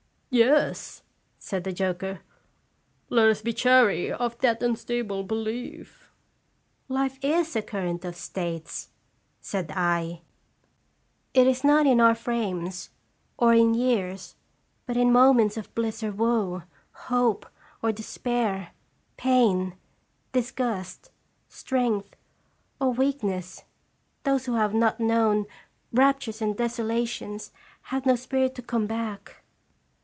" Yes," said the joker, " let us be chary of that unstable belief." " Life is a current of states," said I; "it is llje Uteab ftteab? 11 303 not in our frames, or in years, but in moments of bliss or woe, hope or despair, pain, disgust, strength, or weakness. Those who have not known * raptures and desolations/ have no spirit to come back."